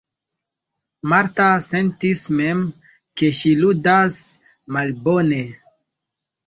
Marta sentis mem, ke ŝi ludas malbone.